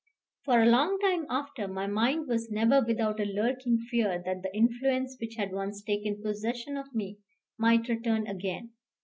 For a long time after, my mind was never without a lurking fear that the influence which had once taken possession of me might return again.